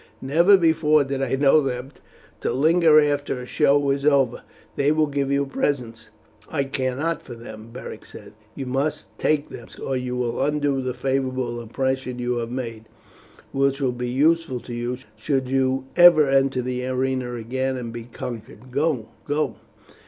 Never before did I know them to linger after a show was over. They will give you presents." "I care not for them," Beric said. "You must take them," Scopus said, "or you will undo the favourable impression you have made, which will be useful to you should you ever enter the arena again and be conquered. Go, go!"